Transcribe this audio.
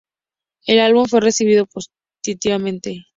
El álbum fue recibido positivamente.